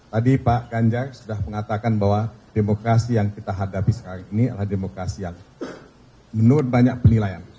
tadi pak ganjar sudah mengatakan bahwa demokrasi yang kita hadapi sekarang ini adalah demokrasi yang menurut banyak penilaian